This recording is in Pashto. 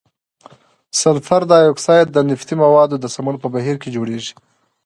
سلفر ډای اکساید د نفتي موادو د سون په بهیر کې جوړیږي.